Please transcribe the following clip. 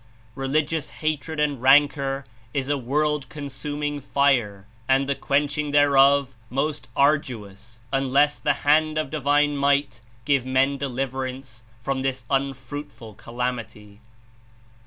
92 "Religious hatred and rancor Is a world consum ing fire, and the quenching thereof most arduous, un less the hand of Divine Might give men deliverance from this unfruitful calamity."